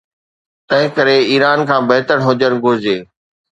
تنهنڪري ايران کان بهتر هجڻ گهرجي.